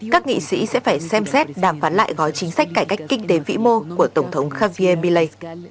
các nghị sĩ sẽ phải xem xét đàm phán lại gói chính sách cải cách kinh tế vĩ mô của tổng thống javier millet